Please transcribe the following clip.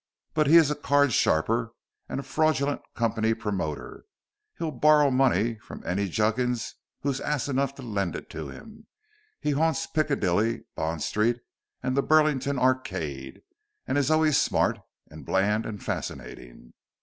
But he is a card sharper and a fraudulent company promoter. He'll borrow money from any juggins who is ass enough to lend it to him. He haunts Piccadilly, Bond Street and the Burlington Arcade, and is always smart, and bland, and fascinating.